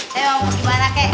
saya mau pergi bala kek